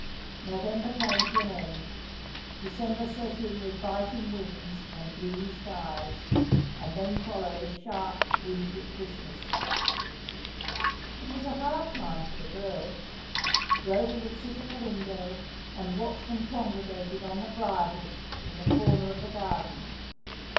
'" November came to an end. December set in with biting winds and gloomy skies, and then followed a sharp, wintry Christmas. It was a hard time for the birds. Rhoda would sit at the window and watch them congregating on the brier bush in the corner of the garden.